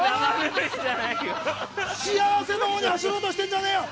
幸せのロード走ろうとしてるんじゃないよ！